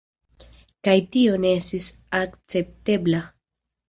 Kaj tio ne estis akceptebla.